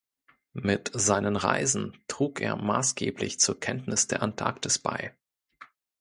Mit seinen Reisen trug er maßgeblich zur Kenntnis der Antarktis bei.